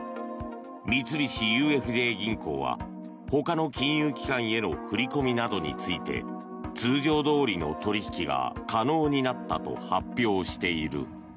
三菱ＵＦＪ銀行はほかの金融機関への振り込みなどについて通常どおりの取引が可能になったと発表している。